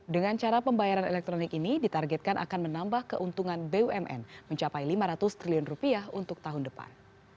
dengan cara pembayaran elektronik ini ditargetkan akan menambah keuntungan bumn mencapai lima ratus triliun rupiah untuk tahun depan